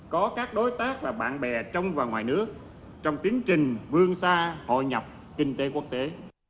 có các đối tác và bạn bè trong và ngoài nước trong tiến trình vương xa hội nhập kinh tế quốc tế